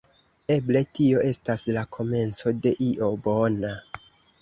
Eble tio estas la komenco de io bona.